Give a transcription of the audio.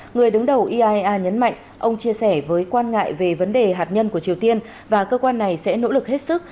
người đứng đầu iaea nhấn mạnh ông chia sẻ với quan ngại về vấn đề hạt nhân của triều tiên và cơ quan này sẽ nỗ lực hết sức